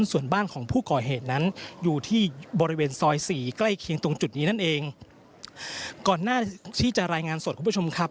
ส่วนบ้านของผู้ก่อเหตุนั้นอยู่ที่บริเวณซอยสี่ใกล้เคียงตรงจุดนี้นั่นเองก่อนหน้าที่จะรายงานสดคุณผู้ชมครับ